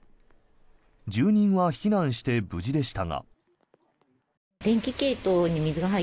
住人は避難して無事でしたが。